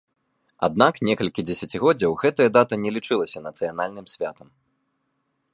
Аднак некалькі дзесяцігоддзяў гэтая дата не лічылася нацыянальным святам.